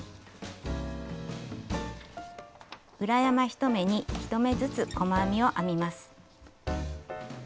裏山１目に１目ずつ細編みを編みます。